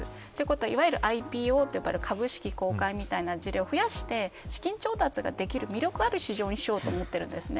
いわゆるＩＰＯと呼ばれる株式公開みたいな事例を増やして資金調達ができる魅力ある市場にしようと思ってるんですね。